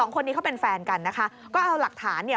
คนนี้เขาเป็นแฟนกันนะคะก็เอาหลักฐานเนี่ย